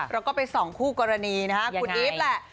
แล้วก็เป็นสองคู่กรณีนะครับคุณอีฟแหละ